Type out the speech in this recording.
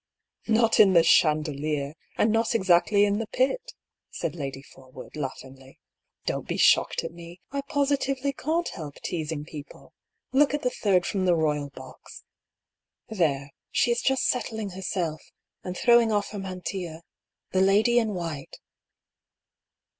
"Not in the chandelier! and not exactly in the pit," said Lady Forwood, laughingly. "Don't be shocked at me ! I positively can't help teasing people. Look at the third from the royal box. There, she is just settling herself, and throwing off her mantilla — ^the lady in white."